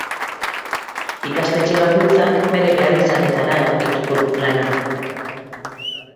Ikastetxe bakoitzak bere beharrizanetara egokituko du plana.